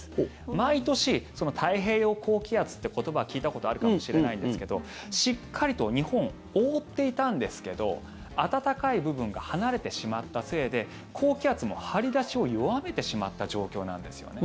毎年、太平洋高気圧って言葉聞いたことあるかもしれないんですけどしっかりと日本を覆っていたんですけど暖かい部分が離れてしまったせいで高気圧も張り出しを弱めてしまった状況なんですよね。